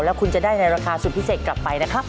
แล้วคุณจะได้ในราคาสุดพิเศษกลับไปนะครับ